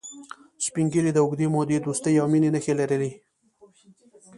سپین ږیری د اوږدې مودې دوستی او مینې نښې لري